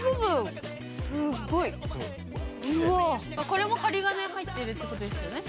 これも針金入ってるってことですよね？